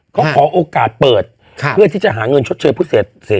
เขาขอโอกาสเปิดเพื่อที่จะหาเงินชดเชยผู้เสียหาย